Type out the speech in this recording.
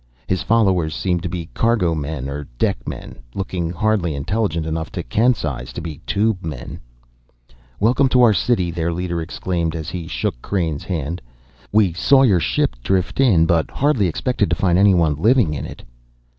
His followers seemed to be cargo men or deck men, looking hardly intelligent enough to Kent's eyes to be tube men. "Welcome to our city!" their leader exclaimed as he shook Crain's hand. "We saw your ship drift in, but hardly expected to find anyone living in it."